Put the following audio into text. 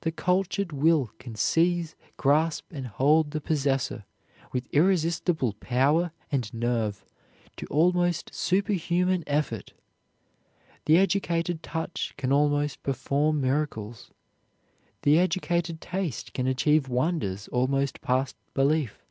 The cultured will can seize, grasp, and hold the possessor, with irresistible power and nerve, to almost superhuman effort. The educated touch can almost perform miracles. The educated taste can achieve wonders almost past belief.